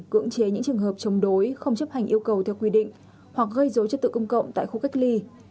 cưỡng chế những trường hợp chống đối không chấp hành yêu cầu theo quy định hoặc gây dối chất tự công cộng tại khu cách ly